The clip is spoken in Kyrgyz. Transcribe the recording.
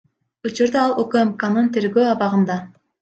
Учурда ал УКМКнын тергөө абагында.